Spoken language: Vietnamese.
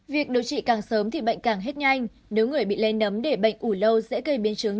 việc điều trị càng sớm thì bệnh càng hết nhanh nếu người bị lây nấm để bệnh ủi lâu dễ gây biến chứng